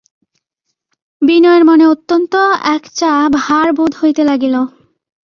বিনয়ের মনে অত্যন্ত একটা ভার বোধ হইতে লাগিল।